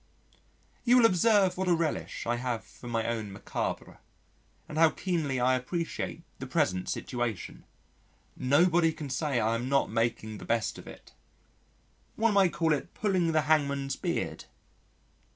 You will observe what a relish I have for my own macabre, and how keenly I appreciate the present situation. Nobody can say I am not making the best of it. One might call it pulling the hangman's beard.